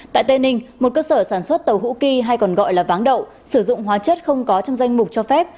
tại tây ninh một cơ sở sản xuất tàu hữu kỳ hay còn gọi là váng đậu sử dụng hóa chất không có trong danh mục cho phép